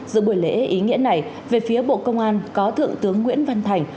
giữa buổi lễ ý nghĩa này về phía bộ công an có thượng tướng nguyễn văn thành